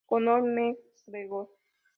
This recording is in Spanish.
Conor McGregor.